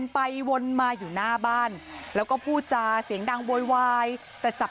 แต่ไม่สำเร็จเหตุการณ์นี้เกิดขึ้นช่วงเที่ยงครึ่งที่ผ่านมา